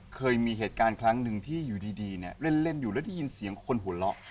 เคยมีเหตุการณ์ครั้งหนึ่งที่อยู่ดีเนี่ยเล่นอยู่แล้วได้ยินเสียงคนหัวเราะ